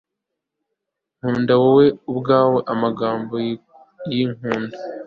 kunda wowe ubwawe amagambo yikunda